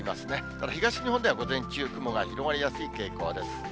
ただ東日本では、午前中、雲が広がりやすい傾向です。